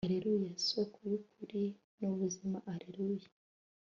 allelua, soko y'ukuri n'ubuzima, allelua